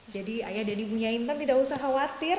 jadi ayah dan ibunya intan tidak usah khawatir